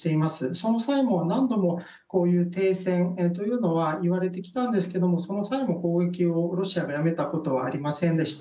その際も、何度もこういう停戦というのはいわれてきたんですがその際も攻撃をロシアがやめたことはありませんでした。